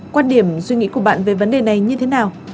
quan điểm suy nghĩ của bạn về vấn đề này như thế nào